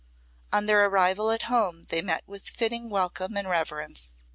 On their arrival at home they met with fitting welcome and reverence.